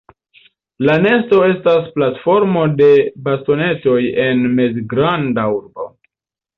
La nesto estas platformo de bastonetoj en mezgranda arbo.